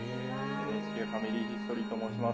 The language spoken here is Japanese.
「ファミリーヒストリー」と申します。